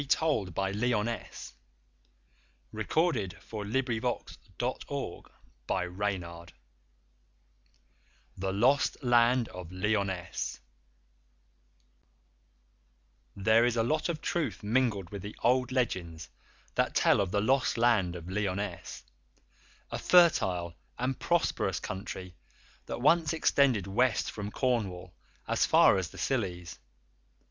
[Illustration: The Abbot's Way] THE LOST LAND OF LYONESSE There is a lot of truth mingled with the old legends that tell of the lost land of Lyonesse, a fertile and prosperous country that once extended west from Cornwall as far as the Scillies.